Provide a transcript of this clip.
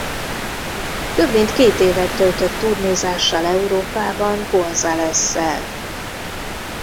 Több mint két évet töltött turnézással Európában Gonzalessel.